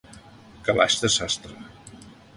Calaix de sastre.